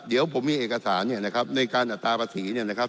เดี๋ยวผมมีเอกสารเนี่ยนะครับในการอัตราภาษีเนี่ยนะครับ